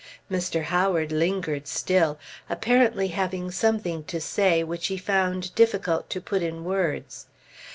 Mr. Howard lingered still, apparently having something to say, which he found difficult to put in words.